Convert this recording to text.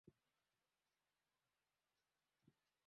Kiswahili kwa kiwango cha kimataifa Kuingia kwa